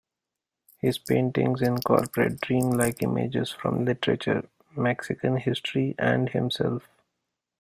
His paintings incorporate dreamlike images from literature, Mexican history, and himself.